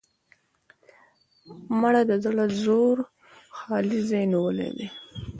مړه د زړه ژور خالي ځای نیولې ده